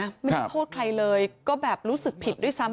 ไม่ได้โทษใครเลยก็แบบรู้สึกผิดด้วยซ้ำ